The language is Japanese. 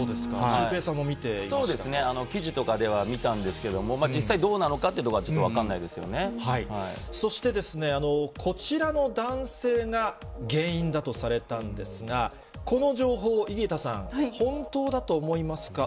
シュウペイさんそうですね、記事とかでは見たんですけれども、実際、どうなのかってところはちょっと分かんそして、こちらの男性が原因だとされたんですが、この情報を井桁さん、本当だと思いますか？